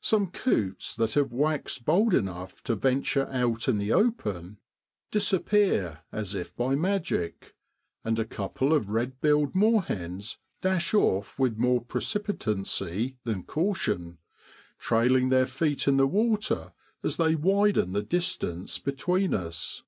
Some coots that have waxed bold enough to venture out in the open, disappear as AN EEL CATCHER'S HUT. if by magic, and a couple of red billed moorhens dash off with more precipitancy than caution, trailing their feet in the water as they widen the distance between us.